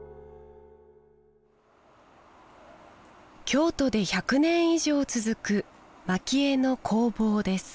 京都で１００年以上続く蒔絵の工房です